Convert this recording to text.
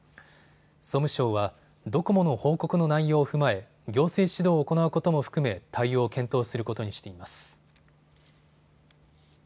総務省はドコモの報告の内容を踏まえ行政指導を行うことも含め対応を検討することにしています。